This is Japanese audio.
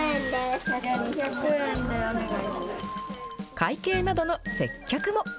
会計などの接客も。